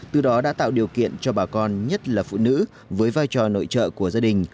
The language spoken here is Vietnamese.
từ đó đã tạo điều kiện cho bà con nhất là phụ nữ với vai trò nội trợ của gia đình